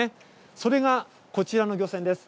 それがこちらの漁船です。